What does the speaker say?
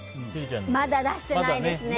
まだ出してないですね。